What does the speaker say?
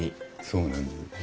そうなんです。